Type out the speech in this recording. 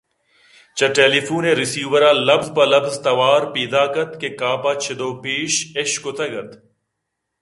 چہ ٹیلی فون ءِ ریسور ءَ لبز پہ لبز توار پیداک اَت کہ کاف ءَ چد ءُ پیش اِش کُتگ اَت